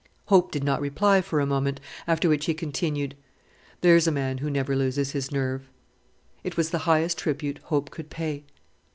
Hope did not reply for a moment, after which he continued, "There's a man who never loses his nerve." It was the highest tribute Hope could pay.